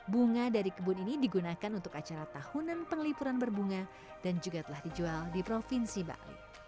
bunga dari kebun ini digunakan untuk acara tahunan penglipuran berbunga dan juga telah dijual di provinsi bali